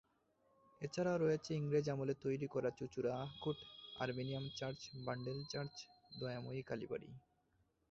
এছাড়া রয়েছে ইংরেজ আমলে তৈরি করা চুঁচুড়া court, Armenian church, Bandel church, Dayamoyee কালীবাড়ি।